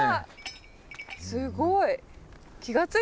すごい。